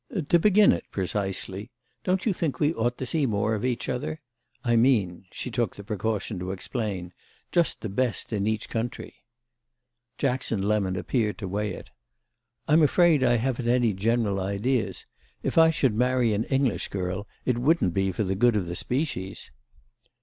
"To begin it, precisely. Don't you think we ought to see more of each other? I mean," she took the precaution to explain, "just the best in each country." Jackson Lemon appeared to weigh it. "I'm afraid I haven't any general ideas. If I should marry an English girl it wouldn't be for the good of the species."